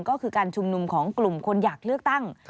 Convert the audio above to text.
ก็คือการชุมนุมของกลุ่มคนอยากเลือกตั้ง